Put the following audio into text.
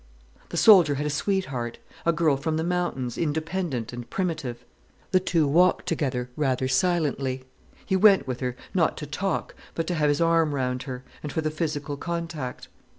The soldier had a sweetheart, a girl from the mountains, independent and primitive. The two walked together, rather silently. He went with her, not to talk, but to have his arm round her, and for the physical contact.